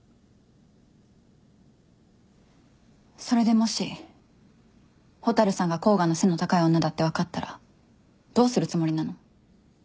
それでもし蛍さんが甲賀の背の高い女だって分かったらどうするつもりなの？